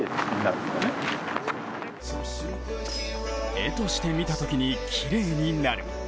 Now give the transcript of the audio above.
画として見たときにきれいになる。